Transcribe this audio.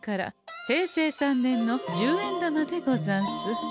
平成３年の十円玉でござんす。